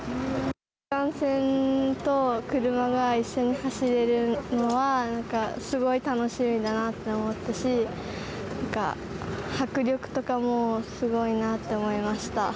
新幹線と車が一緒に走れるのはすごい楽しみだなって思ったしなんか迫力とかもすごいなって思いました。